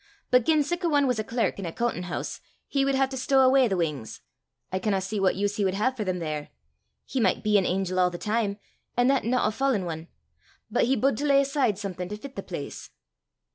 But gien sic a ane was a clerk in a coontin' hoose, he wad hae to stow awa' the wings; I cannot see what use he wad hae for them there. He micht be an angel a' the time, an' that no a fallen ane, but he bude to lay aside something to fit the place."